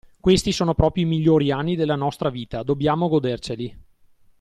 Questi sono proprio i migliori anni della nostra vita, dobbiamo goderceli!